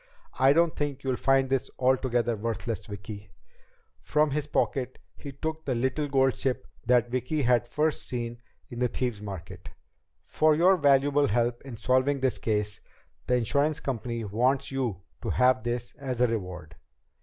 I don't think you'll find this altogether worthless, Vicki." From his pocket he took the little golden ship that Vicki had first seen in the Thieves' Market. "For your invaluable help in solving this case, the insurance company wants you to have this as a reward."